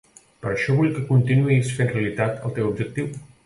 Per això vull que continuïs fent realitat el teu objectiu.